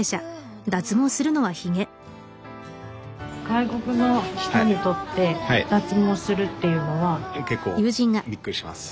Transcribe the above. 外国の人にとって脱毛するっていうのは。